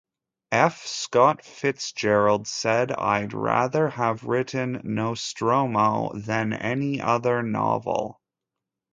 F. Scott Fitzgerald said, "I'd rather have written "Nostromo" than any other novel.